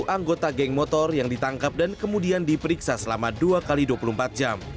satu anggota geng motor yang ditangkap dan kemudian diperiksa selama dua x dua puluh empat jam